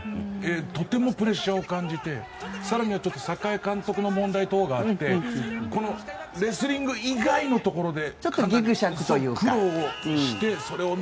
とてもプレッシャーを感じて更に言うと栄監督の問題等があってレスリング以外のところで。